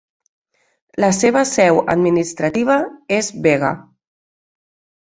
La seva seu administrativa és Vega.